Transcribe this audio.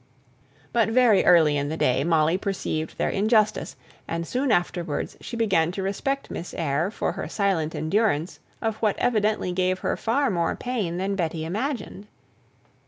But very early in the day Molly perceived their injustice, and soon afterwards she began to respect Miss Eyre for her silent endurance of what evidently gave her far more pain than Betty imagined.